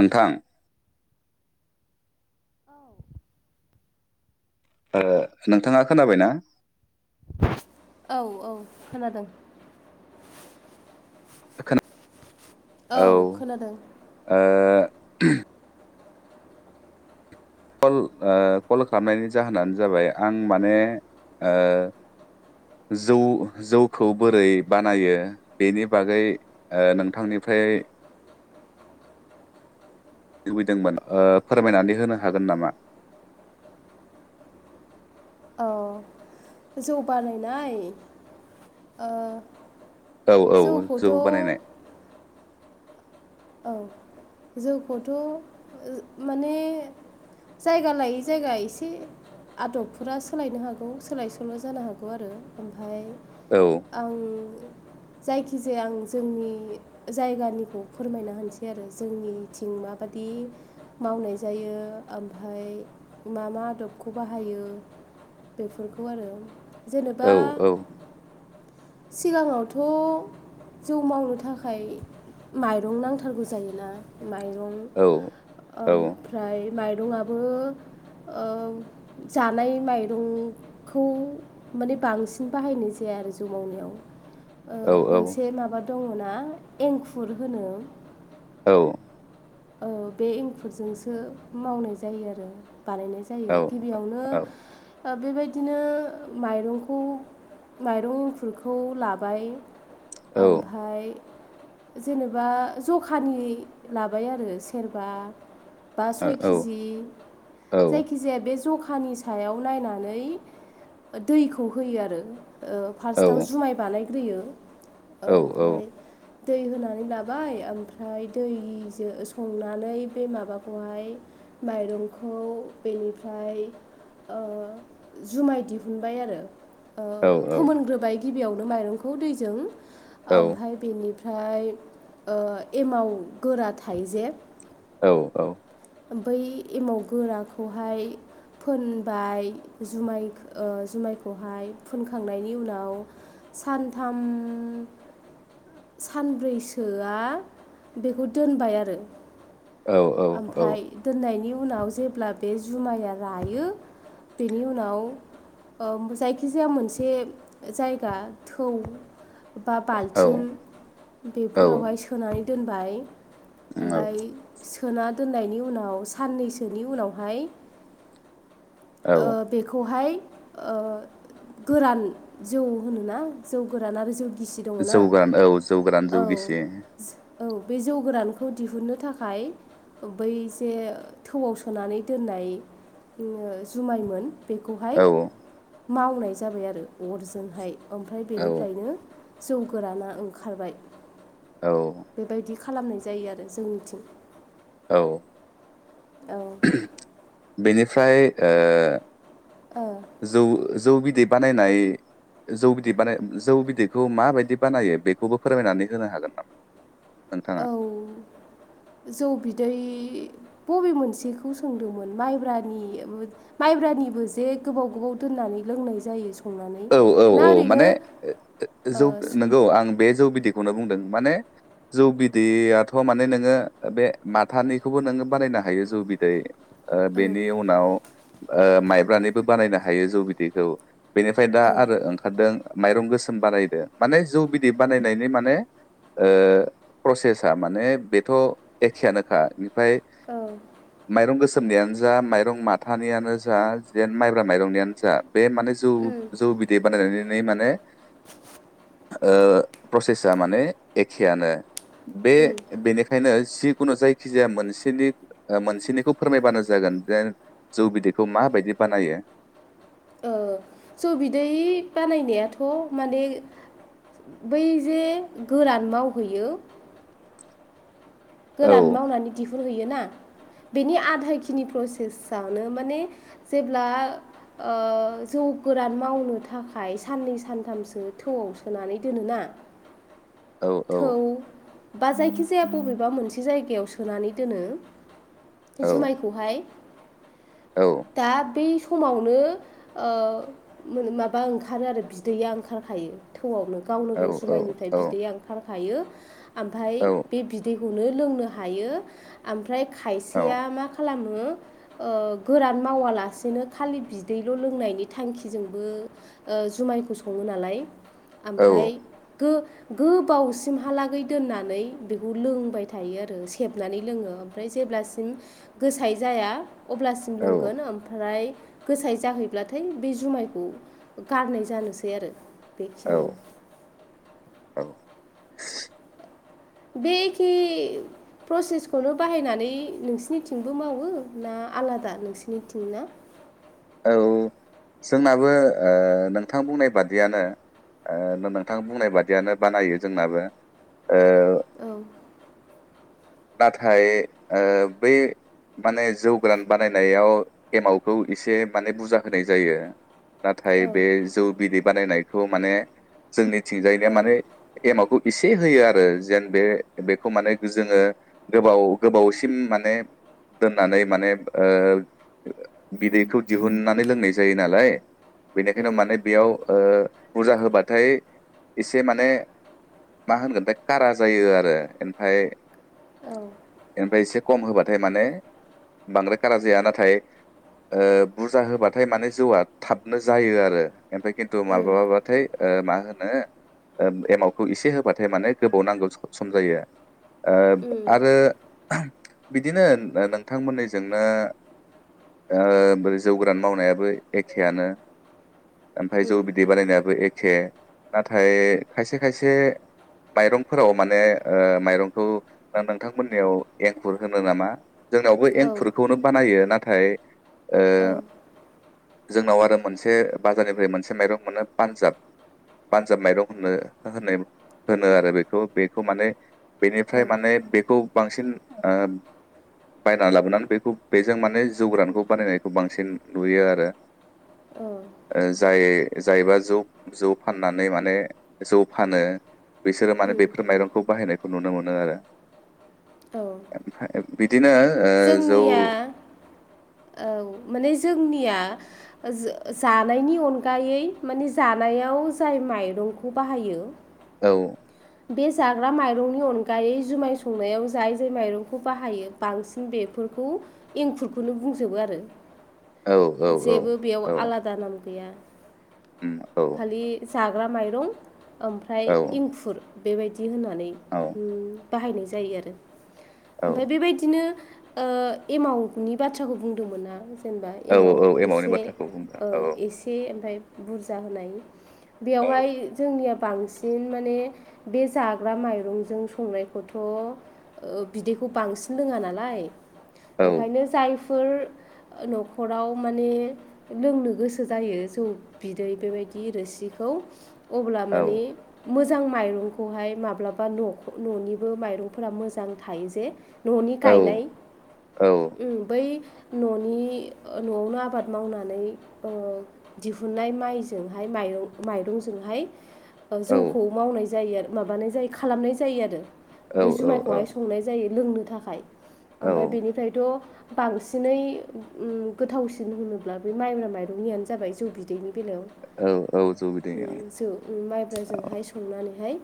नोंथां औ [inaudible] ओ नोंथाङा खोनाबायना औ औ खोनादों खोना औ खोनादों ओ [unintelligible] कल ओ कल खालामनायनि जाहोनानो जाबाय आं माने जौ जौखौ बोरै बानायो बेनि बागै ओ नोंथांनिफ्राय [unintelligible] लुबैदोंमोन ओ फोरमायनानै होनो हागोन नामा [inaudible] औ जौ बानायनाय ओ औ औ जौ जौखौथ बानायनाय औ जौखौथ माने जायगा लायो जायगा एसे आदबफोरा सोलायनो हागौ सोलाय सोल जानो हागौ आरो ओमफाय औ आं जायखिजाया आं जोंनि जायगानिखौ। फोरमायना होनसै आरो जोंनिथिं माबायि मावनाय जायो ओमफाय। मा मा आदबखौ बाहायो बेफोरखौ आरो। जेनेबा औ औ सिगाङावथ जौ मावनो थाखाय। माइरं नांथारगौ जायोना माइरं औ औ ओमफ्राय। माइरंआबो ओ-जानाय माइरंखौ माने बांसिन बाहायनाय जाया। आरो जौ मावनायाव। औ औ ओ-मोनसे माबा दङ ना एंखुर होनो। औ औ बे एखुरजोंसो मावनाय जायो आरो। बानायनाय जायो गिबियावनो औ बेबायदिनो माइरंखौ। माइरंंखुरखौ लाबाय ओमफाय जेनेबा जखानि लाब। बाय आरो सेरबा बा सय औ किजि जायखिजाया बे जखानि सायाव नायनानै। दैखौ होयो आरो फार्स्टआव जुमाय बानायग्रोयो। ओमफ्राय दै होनानै लाबाय ओमफ्राय दै ज संनानै बे माबाखौहाय माइरंखौ बेनिफ्राय। ओ-जुमाय दिहुनबाय आरो। ओ-फोमोनग्रोबाय गिबियावनो माइरंखौ दैजों ओमफ्राय बेनि फाय ओ-एमाव गोरा थायोजे? औ औ बै एमाव गोराखौहाय। फोनबाय जुमाय जुमायखौहाय फोनखांनायनि उनाव। सानथाम सानब्रैसोआ बेखौ दोनबाय आरो औ औ ओमफाय दोननायनि उन उनाव जेब्ला बे जुमाया रायो बेनि उनाव। ओ-जायखिजाया मोनसे जायगा थौ। बा औ बालथिं औ बेफोरावहाय सोनानै दोनबाय। ओमफाय सोना दोननायनि उनाव साननैसोनि उनावहाय। [inaudible] औ ओ-बेखौहाय ओ-गोरान जौ होनोना जौ गोरान आरो जौ गिसि दङना जौ गोरान औ जौ गोरान औ जौ गिसि। औ बे जौ गोरानखौ दिहुननो थाखाय बै जे थौआव सोनानै दोननाय जुमायमोन। बेखौहाय औ मावनाय जाबाय आरो अरजोंहाय ओमफाय औ बेनिफ्रायनो जौ गोराना ओंखारबाय। औ। बेबायदि खालामनाय जायो आरो जोंनिथिं। औ। बेनिफ्राय औ ओ-जौ जौ बिदै बानायनाय। जौ बिदै बानाय जौ बिदैखौ माबायदि बानायो बेखौबो फोरमायनानै होनो हागोन नामा? नोंथाङा? औ जौ बिदै। बबे मोनसेखौ सोंदोंमोन माइब्रानि माइब्रानिबो जे गोबाव गोबाव दोननानै लोंनाय जायो। संनानै औ औ ना औ ओरैनो माने औ जौ नंगौ आं बे जौ बिदैखौनो बुंदों। माने जौ बिदैयाथ' माने नोङो बे माथानिखौबो नोङो बानायनो हायो जौ बिदै। ओ बेनि उनाव ओ माइब्रानिबो बानायनो हायो जौ बिदैखौ बेनि फ्राय दा आरो ओंखारदों माइरं गोसोम बानायदो माने जौ बिदै बानायनायनि माने ओ प्रसेसा माने बेथ' एखेयानोखा आमफ्राय औ माइरं गोसोम नियानो जा माइरं माथानियानो जा जेन माइब्रा माइरंनियानो जा बे माने जौ जौ बिदै बानायनानै माने ओ प्रसेसा माने एखेयानो बे बेनिखायनो जि खुनु जायखिजाया मोनसेनि ओ मोनसेनिखौ फोरमायबानो जागोन जे जौ बिदैखौ माबायदि बानायो। ओ जौ बिदै बानायनायाथ' माने बै जे गोरान मावहैयो औ गोरान मावनानै दिहुन हैयोना बेनि आधा खिनि प्रसेस आनो माने जेब्ला ओ जौ गोरान मावनो थाखाय साननै सानथामसो थौआव सोनानै दोनोना। औ औ। थौ बा जायखिजाया बबेबा मोनसे जायगायाव सोनानै दोनो। औ जुमायखौहाय औ दा बे समावनो ओ माबा ओंखारो आरो बिदैया ओंखारखायो थौआवनो। गावनो औ गाव औ जुमायनिफ्राय बिदैआ ओंखार खायो। ओमफ्राय औ बे बिदैखौनो लोंनो हायो ओमफ्राय खायसेया मा खालामो ओ ओ गोरान मावालासेनो खालि बिदैल' लोंनायनि थांखिजोंबो ओ जुमायखौ सङो नालाय। ओमफाय औ गो गोबावसिमहालागै दोननानै बे खौ लोंबाय थायो आरो सेबनानै लोङो ओमफ्राय जेब्लासिम गोसाय जाया अब्लासिम लोंगोन ओमफ्राय गोसाय जाहैब्लाथाय बे जुमायखौ गारनाय जानोसै आरो। औ बेखिनियानो [inaudible] बे [unintelligible] प्रसेसखौनो बाहायनानै नोंसिनिथिंबो मावोना आलादा नोंसोरनिथिं ना? औ जोंनाबो नोंथां बुंनाय बादियानो। ओ नोंथां बुंनाय बादियानो बानायो जोंनाबो। ओ औ। नाथाय ओ बै माने जौ गोरान बानायनायाव एमावखौ एसे माने बुजा होनाय जायो। नाथाय औ बे जौ बिदै बानायनायखौ माने जोंनिथिंजायनो औ माने एमावखौ एसे होयो आरो जेन बे बेखौ माने जोङो गोबाव गोबावसिम माने दोननानै माने ओ बिदैखौ दिहुननानै लोंनाय जायो नालाय बेनिखायनो माने बेयाव ओ बुरजा होबाथाय एसे माने मा होनगोन थाइ कारा जायो आरो ओमफ्राय औ ओमफ्राय एसे खम होबा थाय माने बांद्राय खारा जाया नाथाय ओ बुरजा होबाथाय माने जौआ थाबनो जायो आरो ओफ्राय खिन्थु मा बाथाय ओ मा होनो ओ एमावखौ एसे होबाथाय माने गोबाव नांगौ सम जायो। ओ आरो बिदिनो नोंथांमोननिजोंनो ओ जौ गोरान मावनायाबो एखेआनो। ओमफ्राय जौ बिदै बानायनायाबो एखे नाथाय खायसे खायसे माइरंफोराव माने माइरं खौ नोंथांमोननियाव एंखुर होनो नामा जोंनावबो औ एंखुरखौनो बानायो नाथाय थाइ औ ओ जोंनाव आरो मोनसे बाजारनिफ्राय मोनसे माइरं मोनो पान्जाब पान्जाब माइरं होनो होन होनो आरो बेखौ बेखौ माने औ बेनिफ्राय माने बेखौ बांसिन बायना लाबोनानै बेखौ बेजों माने जौ गोरानखौ बानायनायखौ बांसिन नुयो आरो [unintelligible] औ जाय जायबा ज जौ फाननानै माने जौ फानो बिसोरो माने बेफोर माइरंखौ बाहायनायखौ नुनो मोनो आरो औ बिदिनो ओ जौ जोंनिया औ माने जोंनिया जानायनि अनगायै माने जानायाव जाय माइरं रंखौ बाहायो औ बे जाग्रा माइरंनि अनगायै जुमाय संनायाव जाय जाय माइरंखौ बाहायो बांसिन बेफोरखौ एंखुरखौनो बुंजोबो आरो औ औ औ जेबो बेयाव औ आलादा नाम गैया औ खालि जाग्रा माइरं ओमफ्राय औ इंखुर बेबायदि होननानै औ बाहायनाय जायो आरो औ ओमफ्राय बेबायदिनो एमाउन्टनि बाथ्राखौ बुंदोंमोन आं जेनेबा औ एमाव औ एमावनि एसे बाथ्राखौ बुंदों औ औ एसे ओमफाय बुरजा होनाय औ बेयावहाय जोंनिया बांसिन माने बे जाग्रा माइरंजों संनायखौथ' बिदैखौ बांसिन लोङा नालाय औ ओंखायनो जायफोर न'खराव माने लोंनो गोसो जायो जौ बिदै बेबायदि रोसिखौ अब्ला औ माने मोजां माइरंखौहाय माब्लाबा न न'निबो माइरंफोरा मोजां थायो जे न'नि औ गायनाय औ। उम, बै न'नि न'आवनो आबाद मावनानै दिहुननाय माइजों माइरंजोंहाय औ जौखौ मावनाय जायो आरो माबानाय जायो खालामनाय जायो आरो औ बे जुमायखौहाय संनाय जायो लोंनो थाखाय औ ओमफ्राय बेनिफ्रायथ' बांसिनै उम गोथावसिन होनोब्ला बे माइब्रा माइरंनियानो जाबाय जौ बिदैनि बेलायाव औ औ जौ बिदै जो माइब्राजोंहाय संनानैहाय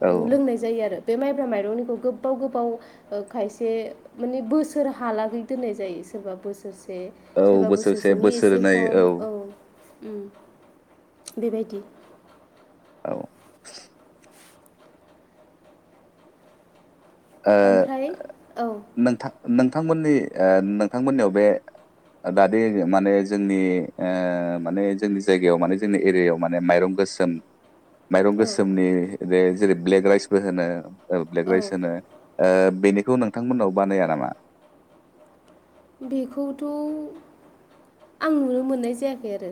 औ लोंनाय जायो आरो बे माइब्रा माइरंनिखौ गोबाव गोबाव खायसे माने बोसोरहालागै दोननाय जायो सोरबा बोसोरसे से औ सोरबा बोसोरसे बोसोरसेनि एसे बोसोरनै खम औ। बेबायदि औ ओ ओमफ्राय औ नोंथां नोंथांमोननि नोंथांमोननियाव बे दादे माने जोंनि माने जोंनि जायगायाव माने जोंनि एरियायाव माने माइरं गोसोम माइरं औ गोसोमनि बे जेरै ब्लेक राइसबो होनो ब्लेक औ राइस होनो ओ बेनिखौ नोंथांमोननाव बानाया नामा? बेखौथ' आं नुनो मोननाय जायाखै आरो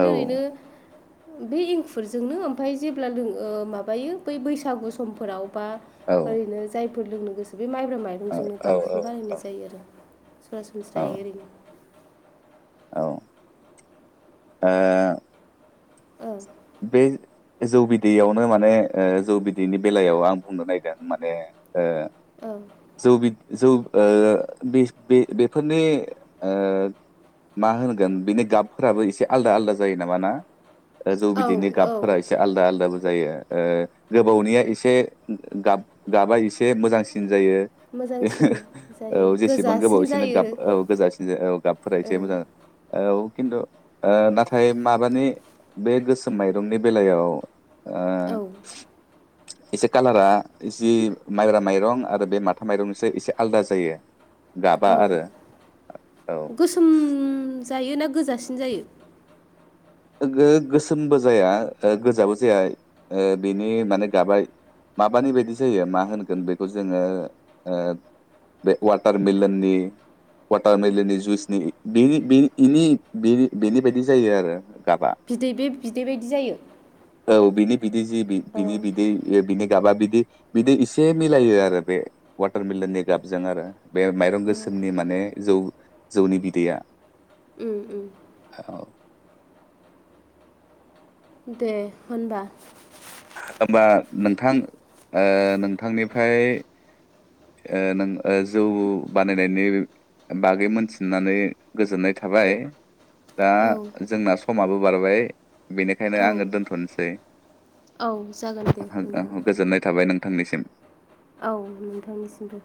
औ ओरैनो बे एंखुरजोंनो ओमफफ्राय जेब्ला लोङ माबायो बै बैसागु समफोराव बा औ ओरैनो जायफोर लोंनो गोसो बे माइब्रा औ माइरंजोंनो औ बांसिन बानायनाय जायो आरो सरासनसरा औ जायो ओरैनो औ आ औ बे जौ बिदैयावनो माने जौ बिदैनि बेलायाव आं बुंनो नागेदों माने ओ जौ बि जौ ओ बेफोरनि मा होनगोन बिनि गाबफोराबो एसे आलदा आलदा जायो नामा ना? औ बिदिनो औ गाबफोरा इसे आलदा आलदा जायो गोबावनिया एसे गाब गाबा एसे मोजांसिन जायो मोजांसिन जायो औ जेसेबां गोजासिन गोबावसेनो जायो गाब औ गोजासिन ज औ गाबफोरासै मोजां औ खिन्थु नाथाय माबानि बे गोसोम माइरंनि बेलायाव ओ औ एसे कालारा जि माइब्रा माइरं आरो बे माथा माइरंसो एसे आलादा जायो गाबा औ आरो औ गोसोम जायो ना गोजासिन जायो गो-गोसोमबो जाया गोजाबो जाया ओ बिनि माने गाबा माबानि बायदि जायो मा होनगोन बेखौ जोङो बे वाटारमिलननि वाटारमेलेननि जुइसनि बेनिनिनि बेनि बायदि जायो आरो गाबा बिदै बे बिदै बायदि जायो बिदि जि औ बिनि बिदै बिनि गाबा बिदि बिदि बिदि इसे मिलायो आरो बे वाटारमलननि गाबजों आरो बे माइरं गोसोमनि माने जौ जौनि बिदैया उम उम औ दे होनबा होमबा नोंथां नोंथांनिफ्राय ओ नों जौ बानायनायनि बागै मोनथिननानै गोजोननाय थाबाय दा औ जोंना समाबो बारबाय बेनिखायनो औ आङो दोनथ'नोसै औ जागोन दे नोंथां गोजोननाय थाबाय नों नोंथां निसिम औ नोंथांनिसिमबो